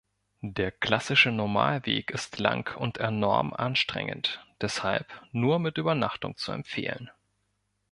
Der klassische Normalweg ist lang und enorm anstrengend, deshalb nur mit Übernachtung zu empfehlen.